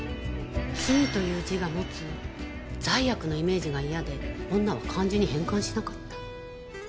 「罪」という字が持つ罪悪のイメージが嫌で女は漢字に変換しなかった。